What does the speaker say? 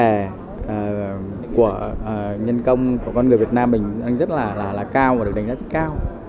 nhiều nhân công của con người việt nam mình rất là cao và được đánh giá rất là cao